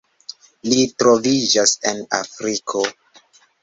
Ili troviĝas en Afriko.